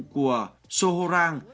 của soho rang